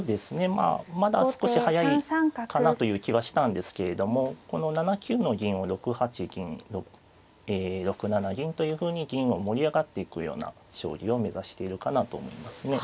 まあまだ少し早いかなという気はしたんですけれどもこの７九の銀を６八銀え６七銀というふうに銀を盛り上がっていくような将棋を目指しているかなと思いますね。